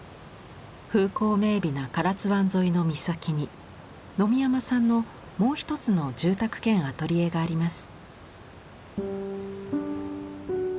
風光明美な唐津湾沿いの岬に野見山さんのもう一つの住宅兼アトリエがあります。